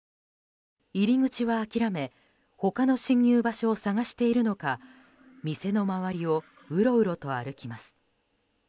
入り口は諦め他の侵入場所を探しているのか店の周りをうろうろと歩きます。